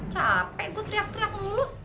capek gue teriak teriak melulu